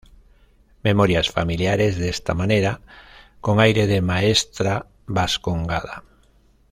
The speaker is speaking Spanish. Memorias familiares" de esta manera:"Con aire de maestra vascongada.